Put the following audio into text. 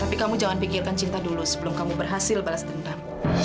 tapi kamu jangan pikirkan cinta dulu sebelum kamu berhasil balas dendam